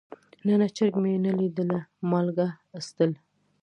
نه نه چرګ مې نه ليده مالګه څټل.